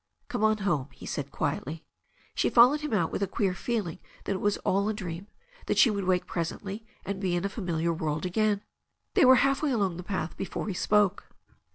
"Come on home," he said quietly. She followed him out with a queer feeling that it was all a dream, and that she would wake presently, and be in a familiar world again. They were half way along the path before he spoke.